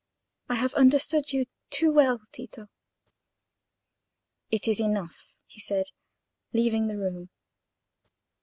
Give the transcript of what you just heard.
"I have understood you too well, Tito." "It is enough," he said, leaving the room.